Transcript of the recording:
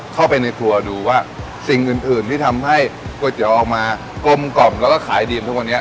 เข้าไปในครัวดูว่าสิ่งอื่นอื่นที่ทำให้ก๋วยเตี๋ยวออกมากลมกล่อมแล้วก็ขายดีทุกวันนี้